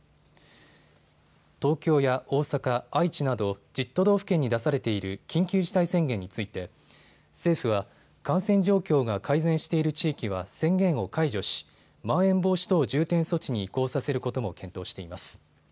東京や大阪、愛知など１０都道府県に出されている緊急事態宣言について政府は感染状況が改善している地域は宣言を解除し、まん延防止等重点措置に移行させることも検討しています。